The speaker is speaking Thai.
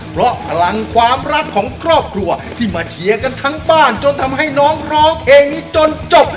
เพราะพลังความรักของครอบครัวที่มาเชียร์กันทั้งบ้านจนทำให้น้องร้องเพลงนี้จนจบ